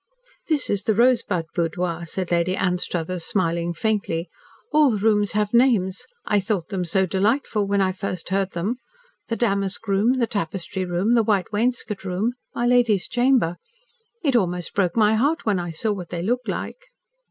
"This is the Rosebud Boudoir," said Lady Anstruthers, smiling faintly. "All the rooms have names. I thought them so delightful, when I first heard them. The Damask Room the Tapestry Room the White Wainscot Room My Lady's Chamber. It almost broke my heart when I saw what they looked like."